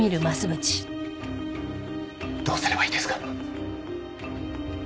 どうすればいいですか？